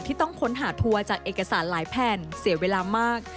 ต้องค้นหาทัวร์จากเอกสารหลายแผ่นเสียเวลามาก